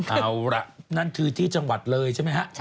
เอาล่ะนั่นคือที่จังหวัดเลยใช่ไหมฮะ